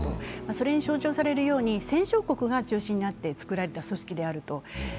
それに象徴されるように戦勝国が中心になって作られた組織であると。